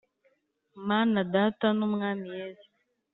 Mana Data n Umwami Yesu